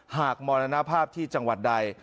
มรณภาพที่จังหวัดใด